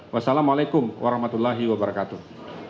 wassalamualaikum warahmatullahi wabarakatuh